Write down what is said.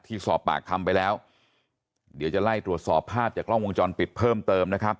สอบปากคำไปแล้วเดี๋ยวจะไล่ตรวจสอบภาพจากกล้องวงจรปิดเพิ่มเติมนะครับ